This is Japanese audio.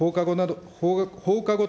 放課後等